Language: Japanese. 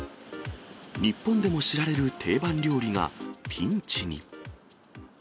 日本でも知られる定番料理が、ピンチに。